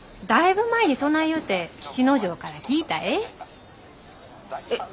だいぶ前にそない言うて吉之丞から聞いたえ。